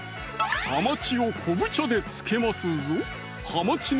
ハマチを昆布茶で漬けますぞ